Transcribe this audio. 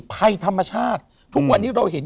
ภัยธรรมชาติทุกวันนี้เราเห็น